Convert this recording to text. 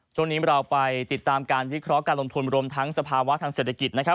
ช่วงนี้เราไปติดตามการวิเคราะห์การลงทุนรวมทั้งสภาวะทางเศรษฐกิจนะครับ